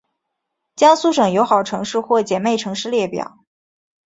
江苏省友好城市或姐妹城市列表